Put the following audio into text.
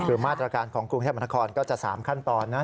คือมาตรการของกรุงเทพมนครก็จะ๓ขั้นตอนนะ